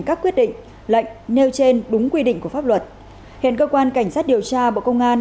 các quyết định lệnh nêu trên đúng quy định của pháp luật hiện cơ quan cảnh sát điều tra bộ công an